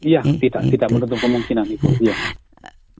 ya tidak menutup kemungkinan